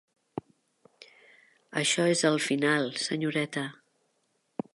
Això és el final, senyoreta.